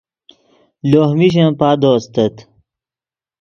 لوہ میشن پادو استت